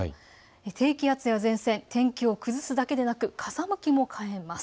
低気圧や前線、天気を崩すだけでなく風向きも変えます。